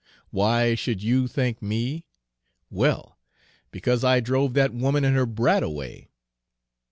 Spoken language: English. "Why should you thank me? Well, because I drove that woman and her brat away."